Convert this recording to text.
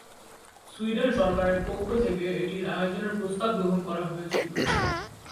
Sweden সরকারের পক্ষ থেকে এটির আয়োজনের প্রস্তাব গ্রহণ করা হয়েছিল।